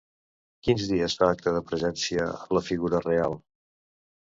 Quins dies fa acte de presència la figura real?